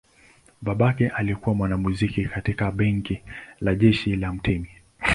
Babake alikuwa mwanamuziki katika bendi la jeshi la mtemi.